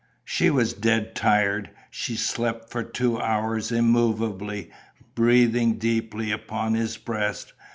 She was dead tired. She slept for two hours immovably, breathing deeply, upon his breast.